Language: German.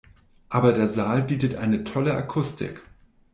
Aber der Saal bietet eine tolle Akustik.